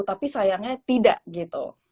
tapi sayangnya tidak gitu